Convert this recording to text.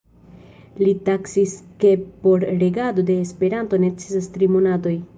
li taksis ke por regado de Esperanto necesas tri monatoj.